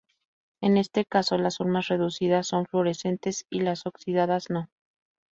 En este caso, las formas reducidas son fluorescentes y las oxidadas no.